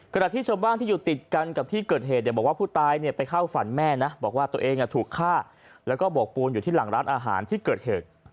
ที่ชาวบ้านที่อยู่ติดกันกับที่เกิดเหตุเนี่ยบอกว่าผู้ตายไปเข้าฝันแม่นะบอกว่าตัวเองถูกฆ่าแล้วก็โบกปูนอยู่ที่หลังร้านอาหารที่เกิดเหตุ